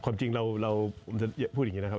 ความจริงเราพูดอย่างนี้นะครับ